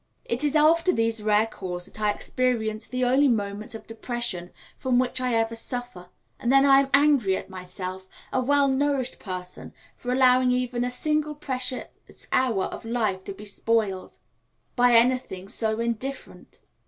It is after these rare calls that I experience the only moments of depression from which I ever suffer, and then I am angry at myself, a well nourished person, for allowing even a single precious hour of life to be spoil: by anything so indifferent.